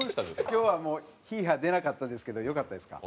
今日はもう「ヒーハー」出なかったですけどよかったですか？